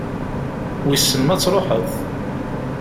Wissen ma ad truḥeḍ?